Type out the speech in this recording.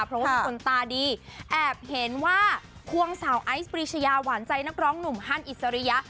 เพราะว่ามีคนตาดีแอบเห็นว่าควงสาวไอซ์ปรีชยาหวานใจนักร้องหนุ่มฮันอิสริยะ